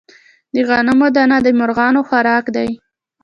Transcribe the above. د غنمو دانه د مرغانو خوراک دی.